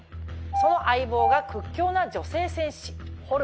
その相棒が屈強な女性戦士ホルガ。